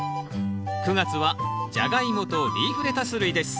９月は「ジャガイモ」と「リーフレタス類」です。